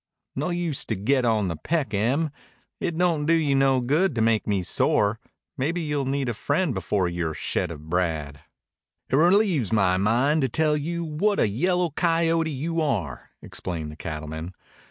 "No use to get on the peck, Em. It don't do you no good to make me sore. Maybe you'll need a friend before you're shet of Brad." "It relieves my mind some to tell you what a yellow coyote you are," explained the cattleman.